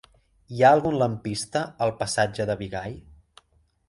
Hi ha algun lampista al passatge de Bigai?